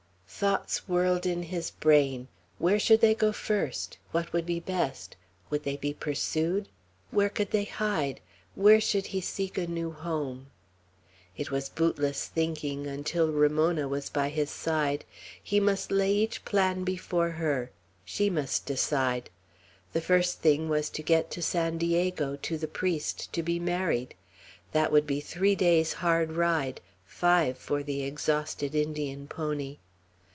Thoughts whirled in his brain. Where should they go first? What would be best? Would they be pursued? Where could they hide? Where should he seek a new home? It was bootless thinking, until Ramona was by his side. He must lay each plan before her. She must decide. The first thing was to get to San Diego, to the priest, to be married. That would be three days' hard ride; five for the exhausted Indian pony.